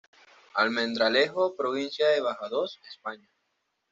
Almendralejo, provincia de Badajoz, España.